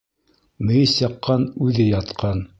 Мейес яҡҡан, үҙе ятҡан.